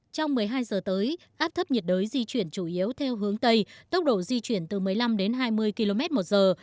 trong một mươi hai giờ tới áp thấp nhiệt đới di chuyển chủ yếu theo hướng tây tốc độ di chuyển từ một mươi năm đến hai mươi km một giờ